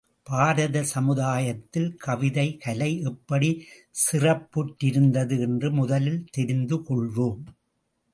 பாரத சமுதாயத்தில் கவிதைக் கலை எப்படிச் சிறப்புற்றிருந்தது என்று முதலில் தெரிந்து கொள்வோம்.